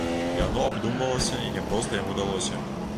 Яно абдумвалася і няпроста яму далося.